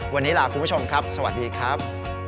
วันนี้ลาคุณผู้ชมครับสวัสดีครับ